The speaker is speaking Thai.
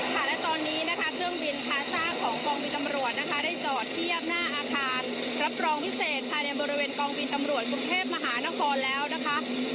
และตอนนี้นะคะเครื่องบินพาซ่าของกองบินตำรวจนะคะได้จอดเทียบหน้าอาคารรับรองพิเศษภายในบริเวณกองบินตำรวจกรุงเทพมหานครแล้วนะคะ